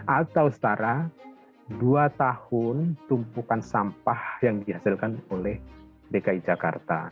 atau setara dua tahun tumpukan sampah yang dihasilkan oleh dki jakarta